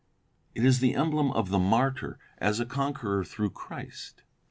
It is the emblem of the martyr, as a conqueror through Christ.